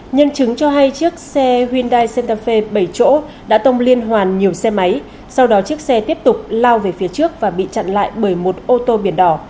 nhân chứng cho hay chiếc xe hyundai centafe bảy chỗ đã tông liên hoàn nhiều xe máy sau đó chiếc xe tiếp tục lao về phía trước và bị chặn lại bởi một ô tô biển đỏ